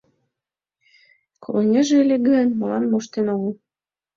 — Колынеже ыле гын, молан моштен огыл?